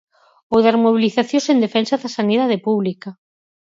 Ou das mobilizacións en defensa da sanidade pública.